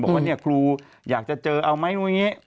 บอกว่าครูอยากจะเจอเอาไหมอะไรแบบนี้